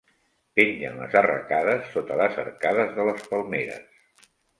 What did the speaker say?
Pengen les arracades sota les arcades de les palmeres.